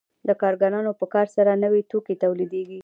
د کارګرانو په کار سره نوي توکي تولیدېږي